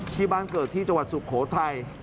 ที่บ้านเกิดที่จังหวัดสุโขทัย